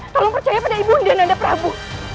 tolong percaya pada ibu anda nanda prabu